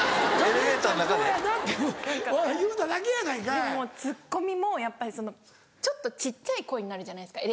でもツッコミもやっぱりちょっと小っちゃい声になるじゃないですか